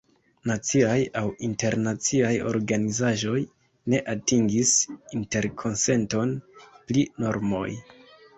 Naciaj aŭ internaciaj organizaĵoj ne atingis interkonsenton pri normoj.